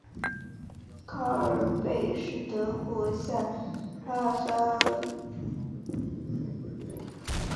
卡尔贝是德国下萨克森州的一个市镇。